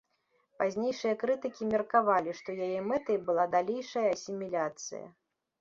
Пазнейшыя крытыкі меркавалі, што яе мэтай была далейшая асіміляцыя.